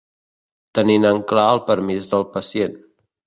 Tenint en clar el permís del pacient.